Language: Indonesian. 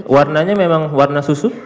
warnanya memang warna susu